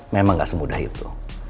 memang gak semudah itu